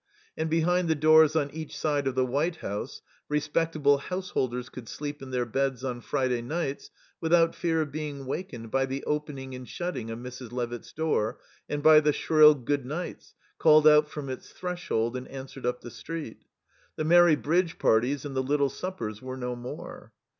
And behind the doors on each side of the White House respectable householders could sleep in their beds on Friday nights without fear of being wakened by the opening and shutting of Mrs. Levitt's door and by the shrill "Good nights" called out from its threshold and answered up the street The merry bridge parties and the little suppers were no more.